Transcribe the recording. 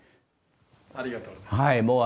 ありがとうございます。